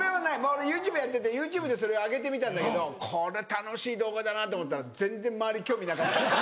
俺ＹｏｕＴｕｂｅやっててＹｏｕＴｕｂｅで上げてみたんだけどこれ楽しい動画だなと思ったら全然周り興味なかった。